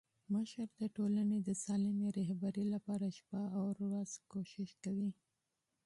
مشر د ټولني د سالمي رهبري لپاره شپه او ورځ کوښښ کوي.